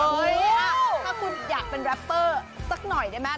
เฮ้ยถ้าคุณอยากเป็นแรปเปอร์สักหน่อยได้ไหม